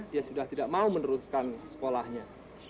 dia sudah tidak mau meneruskan sekolahnya